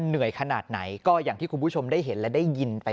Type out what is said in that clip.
เหนื่อยขนาดไหนก็อย่างที่คุณผู้ชมได้เห็นและได้ยินไป